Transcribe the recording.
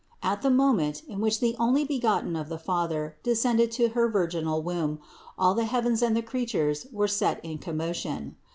At the moment, in which the Onlybegotten of the Father descended to her virginal womb, all the heavens and the creatures were set in com motion.